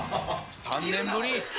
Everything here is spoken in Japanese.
３年ぶり。